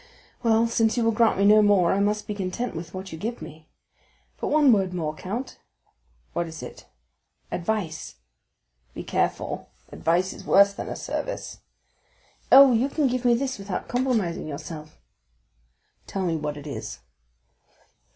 "Well, since you will grant me no more, I must be content with what you give me. But one word more, count." "What is it?" "Advice." "Be careful; advice is worse than a service." "Oh, you can give me this without compromising yourself." "Tell me what it is."